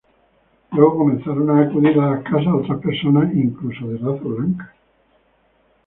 Luego comenzaron a acudir a la casa otras personas, incluso de raza blanca.